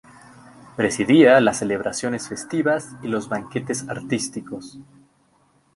Presidía las celebraciones festivas y los banquetes artísticos.